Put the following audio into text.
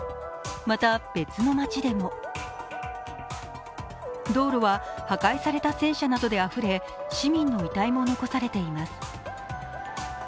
また、別の町でも道路は破壊された戦車などであふれ、市民の遺体も残されています。